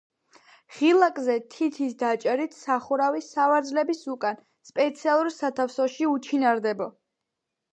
ღილაკზე თითის დაჭერით სახურავი სავარძლების უკან სპეციალურ სათავსოში „უჩინარდება“.